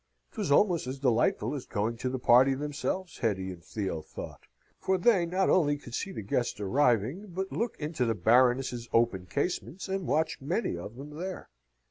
'Twas almost as delightful as going to the party themselves, Hetty and Theo thought, for they not only could see the guests arriving, but look into the Baroness's open casements and watch many of them there.